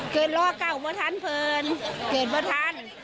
เกิดรอเก้าเพราะท่านเพลินเกิดเพราะท่าน